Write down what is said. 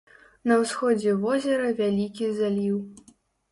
На ўсходзе возера вялікі заліў.